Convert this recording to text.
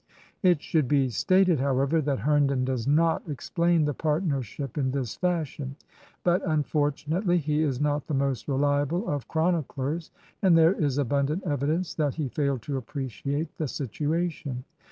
It should be stated, however, that Herndon does not explain the partnership in this fashion; but, unfortunately, he is not the most reliable of chroniclers, and there is abundant evidence that he failed to appreciate the situation.